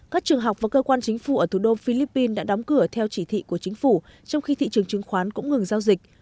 các trường học và cơ quan chính phủ ở thủ đô philippines đã đóng cửa theo chỉ thị của chính phủ trong khi thị trường chứng khoán cũng ngừng giao dịch